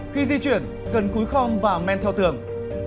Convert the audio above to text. khi di chuyển cần cúi khong và men theo tường